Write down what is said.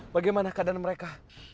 bagaimana keadaan mereka